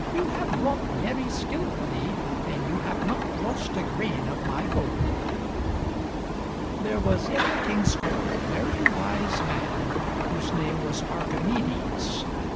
You have wrought very skillfully and you have not lost a grain of my gold." There was in the king's court a very wise man whose name was Archimedes.